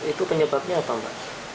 itu penyebabnya apa